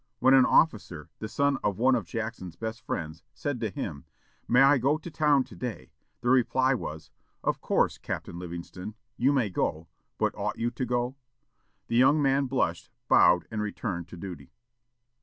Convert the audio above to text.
When an officer, the son of one of Jackson's best friends, said to him, "May I go to town to day?" the reply was, "Of course, Captain Livingston, you may go; but ought you to go?" The young man blushed, bowed, and returned to duty.